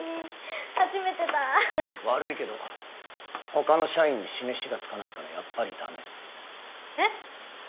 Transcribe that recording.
初めてだ悪いけどほかの社員に示しがつかないからやっぱりダメえっ？